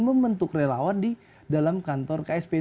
membentuk relawan di dalam kantor ksp